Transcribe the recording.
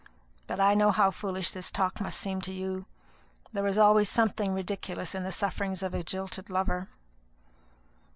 But I know how foolish this talk must seem to you: there is always something ridiculous in the sufferings of a jilted lover."